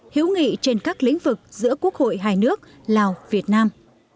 hiếu nghị trên các lĩnh vực giữa quốc hội hai nước lào việt nam